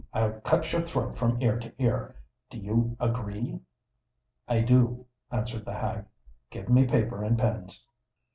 I'll cut your throat from ear to ear. Do you agree?" "I do," answered the hag. "Give me paper and pens."